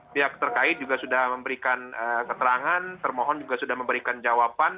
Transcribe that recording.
pihak terkait juga sudah memberikan keterangan termohon juga sudah memberikan jawaban